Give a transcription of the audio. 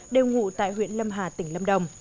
đều ngụ tại huyện lâm hà tỉnh lâm đồng